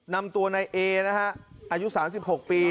นำตัวในเอ๋อายุ๓๖ปี